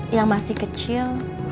yang masih kecil